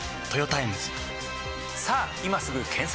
さぁ今すぐ検索！